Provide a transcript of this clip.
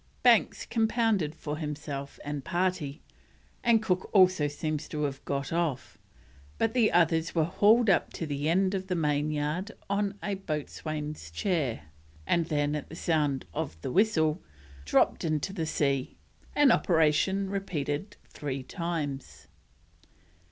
Banks compounded for himself and party, and Cook also seems to have got off, but the others were hauled up to the end of the main yard on a boatswain's chair, and then at the sound of the whistle dropped into the sea, an operation repeated three times.